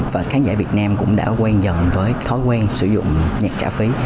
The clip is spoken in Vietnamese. và khán giả việt nam cũng đã quen dần với thói quen sử dụng nhạc trả phí